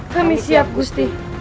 kami siap gusti